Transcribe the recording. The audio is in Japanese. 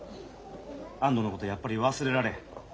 安藤のことやっぱり忘れられへん？